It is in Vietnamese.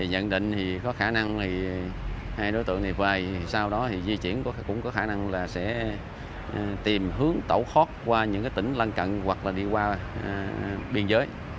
nhận định có khả năng hai đối tượng này về sau đó di chuyển cũng có khả năng tìm hướng tẩu khót qua những tỉnh lăn cận hoặc đi qua biên giới